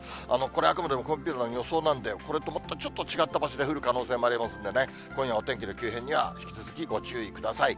これ、あくまでもコンピューターの予想なんで、これとちょっと違った場所で降る可能性もありますんでね、今夜お天気の急変には引き続きご注意ください。